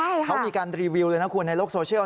เขามีการรีวิวเลยนะคุณในโลกโซเชียล